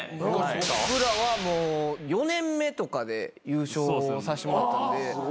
僕らはもう４年目とかで優勝させてもらったんで。